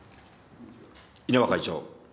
稲葉会長。